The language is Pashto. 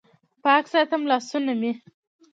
پاک ساتم لاسونه مې